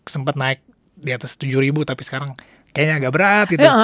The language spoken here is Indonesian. sempat naik di atas tujuh ribu tapi sekarang kayaknya agak berat gitu